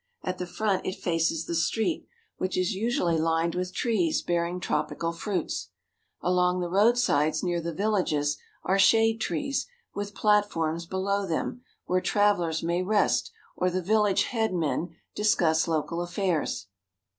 At the front it faces the street, which is usually lined with trees bearing tropical fruits. Along the roadsides near the villages are shade trees with platforms below them where travelers may rest or the village headmen discuss local affairs.